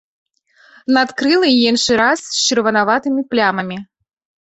Надкрылы іншы раз з чырванаватымі плямамі.